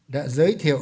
đã giới thiệu